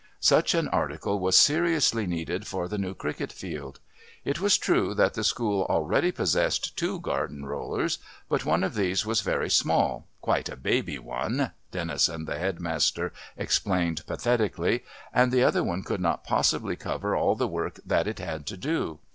Such an article was seriously needed for the new cricket field. It was true that the School already possessed two garden rollers, but one of these was very small "quite a baby one," Dennison, the headmaster, explained pathetically and the other could not possibly cover all the work that it had to do.